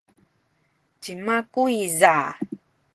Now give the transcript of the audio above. cima kuyza?